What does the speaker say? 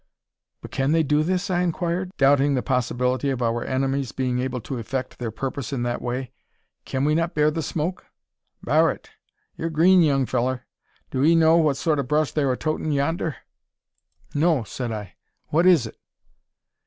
"But can they do this?" I inquired, doubting the possibility of our enemies being able to effect their purpose in that way; "can we not bear the smoke?" "Bar it! Yur green, young fellur. Do 'ee know what sort o' brush thur a toatin' yander?" "No," said I; "what is it?"